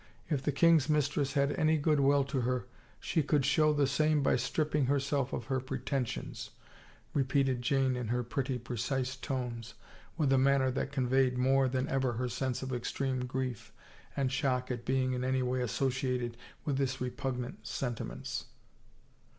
If the king's mis tress had any good will to her she could show the same by stripping herself of her pretensions," repeated Jane in her pretty, precise tones, with a manner that conveyed more than ever her sense of extreme grief and shock at being in any way associated with this repugnant senti ments.